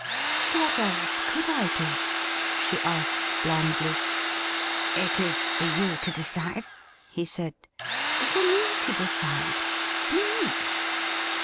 ' What else could I do ?'' she asked blandly. ' It is for you to decide .?' he said. ' For me to decide — ^me